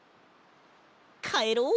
かえろう。